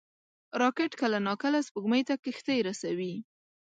راکټ کله ناکله سپوږمۍ ته کښتۍ رسوي